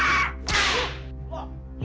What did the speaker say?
ini raja babi kecil